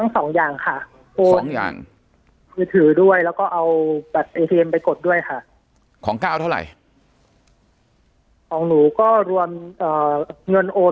ปากกับภาคภูมิ